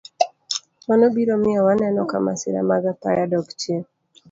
Mano biro miyo waneno ka masira mag apaya dok chien.